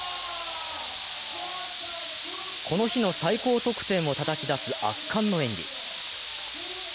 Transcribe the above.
この日の最高得点をたたき出す圧巻の演技。